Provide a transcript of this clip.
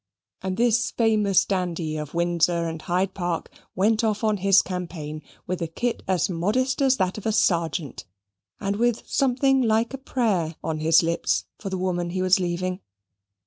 And this famous dandy of Windsor and Hyde Park went off on his campaign with a kit as modest as that of a sergeant, and with something like a prayer on his lips for the woman he was leaving.